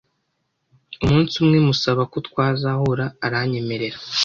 umunsi umwe musaba ko twazahura aranyemerera